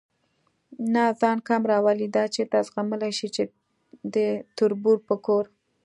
نه ځان کم راولي، دا چېرته زغملی شي چې د تربور په کور.